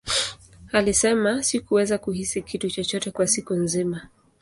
Alisema, Sikuweza kuhisi kitu chochote kwa siku nzima.